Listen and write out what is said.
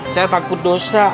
saya takut dosa